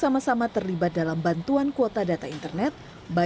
salah satu kendala dalam menjalankan kesehatan pendidikan